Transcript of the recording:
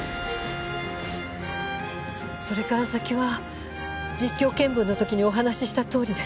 それから先は実況見分の時にお話ししたとおりです。